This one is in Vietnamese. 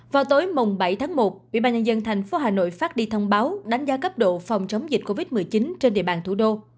vào tối bảy tháng một ubnd tp hà nội phát đi thông báo đánh giá cấp độ phòng chống dịch covid một mươi chín trên địa bàn thủ đô